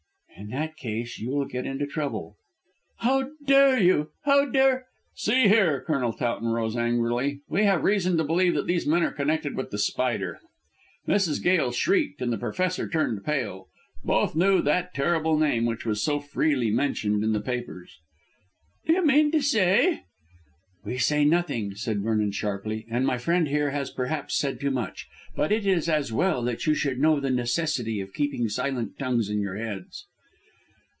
"In that case you will get into trouble." "How dare you how dare " "See here!" Colonel Towton rose angrily. "We have reason to believe that these men are connected with The Spider." Mrs. Gail shrieked and the Professor turned pale. Both knew that terrible name which was so freely mentioned in the papers. "Do you mean to say " "We say nothing," said Vernon sharply, "and my friend here has perhaps said too much. But it is as well that you should know the necessity of keeping silent tongues in your heads."